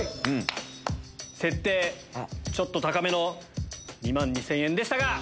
設定ちょっと高めの２万２０００円でしたが！